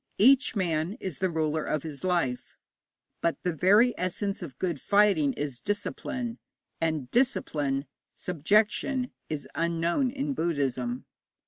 Each man is the ruler of his life, but the very essence of good fighting is discipline, and discipline, subjection, is unknown to Buddhism.